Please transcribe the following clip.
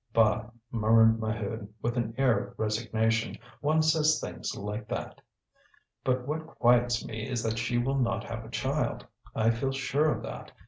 "Bah!" murmured Maheude, with an air of resignation, "one says things like that . But what quiets me is that she will not have a child; I feel sure of that.